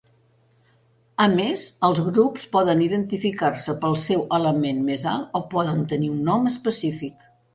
A més, els grups poden identificar-se pel seu element més alt o poden tenir un nom específic.